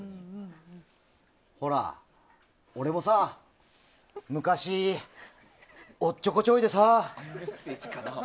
ほら、俺もさ昔おっちょこちょいでさ。